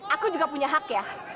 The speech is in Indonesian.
aku juga punya hak ya